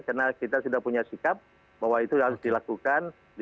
karena kita sudah punya sikap bahwa itu harus dilakukan